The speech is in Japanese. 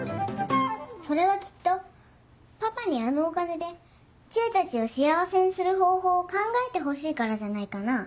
それはきっとパパにあのお金で知恵たちを幸せにする方法を考えてほしいからじゃないかな？